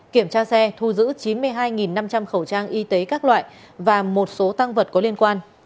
kiểm tra xe thu giữ chín mươi hai năm trăm linh khẩu trang y tế các loại và một số tăng vật có liên quan